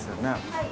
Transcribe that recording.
はい。